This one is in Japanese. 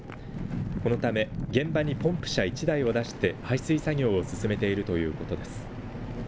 このため現場にポンプ車１台を出して排水作業を進めているということです。